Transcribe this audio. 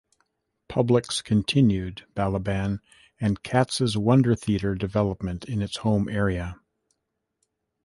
Publix continued Balaban and Katz's wonder theater development in its home area.